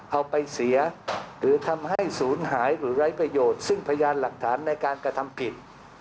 เอาไปเสียหรือทำให้ศูนย์หายหรือไร้ประโยชน์ซึ่งพยานหลักฐานในการกระทำผิด